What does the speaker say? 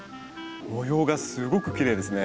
模様がすごくきれいですね。